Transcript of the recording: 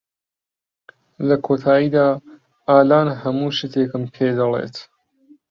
لە کۆتاییدا، ئالان هەموو شتێکم پێدەڵێت.